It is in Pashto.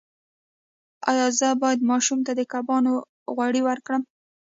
ایا زه باید ماشوم ته د کبانو غوړي ورکړم؟